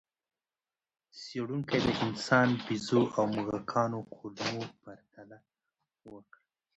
څېړونکي د انسان، بیزو او موږکانو کولمو پرتله وکړه.